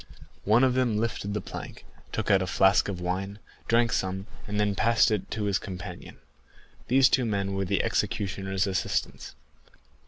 One of them lifted the plank, took out a flask of wine, drank some, and then passed it to his companion. These two men were the executioner's assistants.